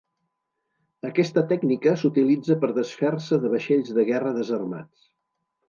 Aquesta tècnica s'utilitza per desfer-se de vaixells de guerra desarmats.